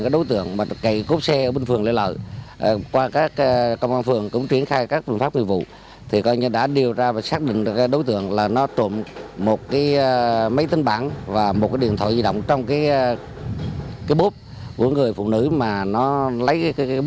đối tượng là nguyễn văn cảnh chú thị xã an khê tỉnh gia lai